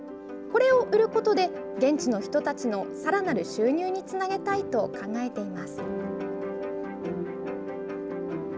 これを売ることで現地の人たちのさらなる収入につなげたいと考えています。